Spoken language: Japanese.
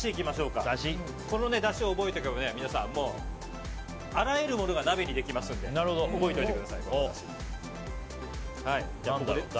このだしを覚えておけば皆さんあらゆるものが鍋にできますんで覚えておいてください。